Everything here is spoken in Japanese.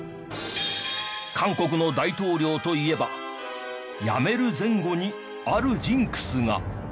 韓国の大統領といえば辞める前後にあるジンクスが。